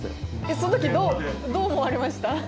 その時どう思われました？